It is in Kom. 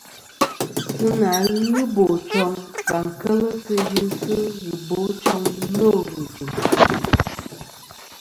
Sɨ nà ghɨ bòchoŋ và kel sɨ yɨsɨ ghɨbochoŋ nô ghɨ̀jɨ̀m.